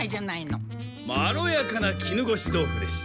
まろやかな絹ごし豆腐でして。